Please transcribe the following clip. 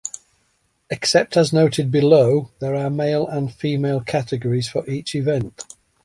Except as noted below, there are male and female categories for each event.